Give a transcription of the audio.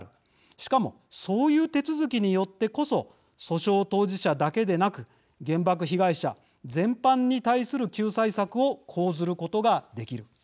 しかもそういう手続きによってこそ訴訟当事者だけでなく原爆被害者全般に対する救済策を講ずることができる。